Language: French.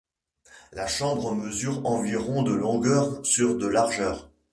La chambre mesure environ de longueur sur de largeur.